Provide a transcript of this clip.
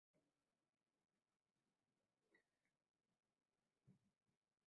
এই দম্পতির দুই ছেলে ও এক কন্যা রয়েছে।